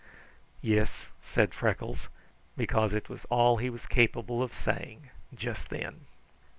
"Yis," said Freckles, because it was all he was capable of saying just then.